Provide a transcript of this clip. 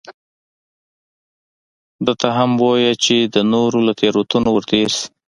ده ته هم بویه چې د نورو له تېروتنو ورتېر شي.